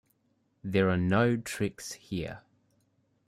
There are no tricks here.